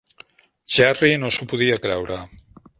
Jerry no s'ho podria creure.